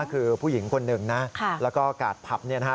คือผู้หญิงคนหนึ่งนะแล้วก็กาดผับเนี่ยนะฮะ